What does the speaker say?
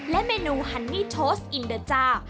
เมนูฮันนี่โชสอินเดอร์จ้า